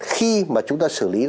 khi mà chúng ta xử lý